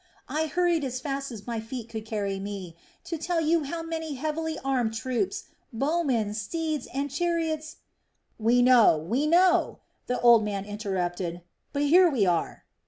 I hurried as fast as my feet could carry me to tell you how many heavily armed troops, bowmen, steeds, and chariots...." "We know, we know," the old man interrupted, "but here we are."